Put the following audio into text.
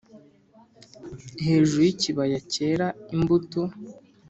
hejuru yikibaya cyera imbuto!